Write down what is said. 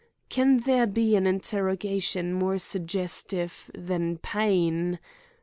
Can there be an interrogation more suggestive than pain ?